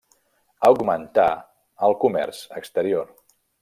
Augmentà el comerç exterior.